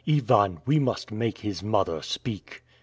Ivan, we must make his mother speak."